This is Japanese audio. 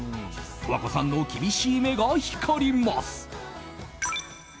十和子さんの厳しい目が光ります。